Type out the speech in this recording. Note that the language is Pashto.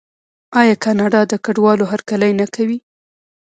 آیا کاناډا د کډوالو هرکلی نه کوي؟